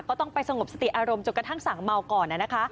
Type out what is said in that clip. ก็ต้องไปสงบสติอารมณ์จนกระทั่งสั่งเมาก่อนนะคะ